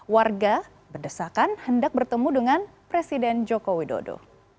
warga berdesakan hendak bertemu dengan presiden jokowi dodo